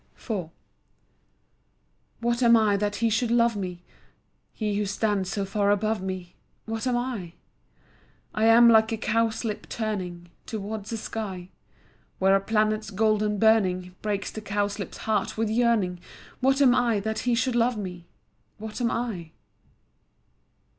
IV What am I that he should love me, He who stands so far above me, What am I? I am like a cowslip turning Toward the sky, Where a planet's golden burning Breaks the cowslip's heart with yearning, What am I that he should love me, What am I?